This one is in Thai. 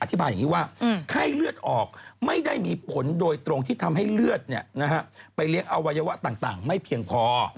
อธิบายอย่างนี้ว่าไข้เลือดออกไม่ได้มีผลโดยตรงที่ทำให้เลือดไปเลี้ยงอวัยวะต่างไม่เพียงพอ